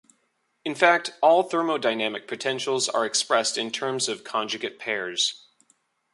In fact, all thermodynamic potentials are expressed in terms of conjugate pairs.